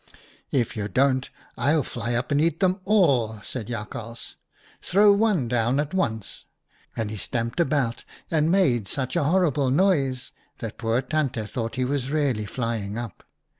' If you don't, I'll fly up and eat them all/ said Jakhals. ' Throw one down at once.' And he stamped about and made such a horrible noise that the poor Tante HERON HAS CROOKED NECK 121 thought he was really flying up.